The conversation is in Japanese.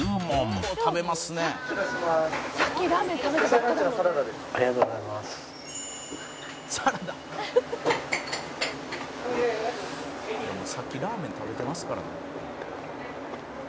「もうさっきラーメン食べてますからね」